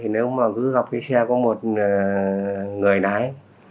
nếu mà cứ gặp cái xe có một người lái